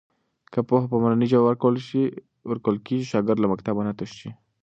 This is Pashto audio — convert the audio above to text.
که پوهه په مورنۍ ژبه ورکول کېږي، شاګرد له مکتب نه تښتي نه.